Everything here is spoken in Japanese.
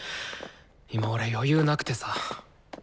今俺余裕なくてさ。